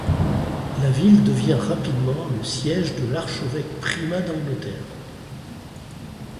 La ville devient rapidement le siège de l'archevêque primat d'Angleterre.